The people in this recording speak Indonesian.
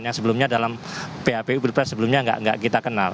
yang sebelumnya dalam papu pilpres sebelumnya nggak kita kenal